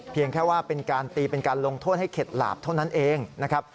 แค่ว่าเป็นการตีเป็นการลงโทษให้เข็ดหลาบเท่านั้นเองนะครับ